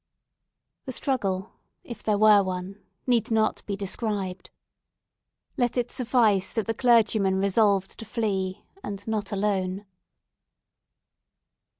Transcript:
The struggle, if there were one, need not be described. Let it suffice that the clergyman resolved to flee, and not alone.